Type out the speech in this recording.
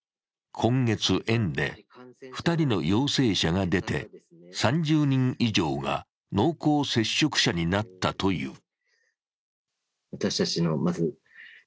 今月、園で２人の陽性者が出て、３０人以上が濃厚接触者になったという。